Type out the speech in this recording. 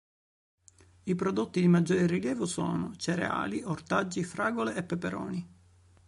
I prodotti di maggiore rilievo sono: cereali, ortaggi, fragole e peperoni.